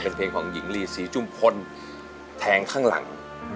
เป็นเพลงของหญิงลีศรีจุมพลแทงข้างหลัง